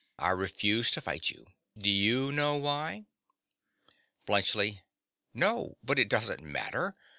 I refuse to fight you. Do you know why? BLUNTSCHLI. No; but it doesn't matter.